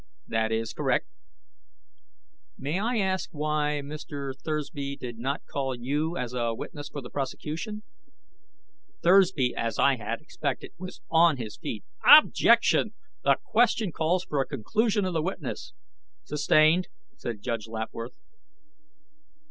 "That is correct." "May I ask why Mr. Thursby did not call you as a witness for the prosecution?" Thursby, as I had expected, was on his feet. "Objection! The question calls for a conclusion of the witness!" "Sustained," said Judge Lapworth.